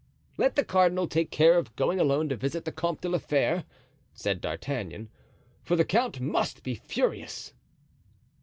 "Let the cardinal take care of going alone to visit the Comte de la Fere," said D'Artagnan; "for the count must be furious."